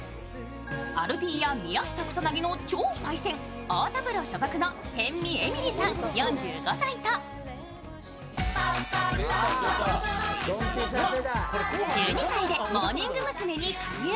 アルピーや宮下草薙の超パイセン、太田プロ所属の辺見えみりさん４５歳と１２歳でモーニング娘に加入。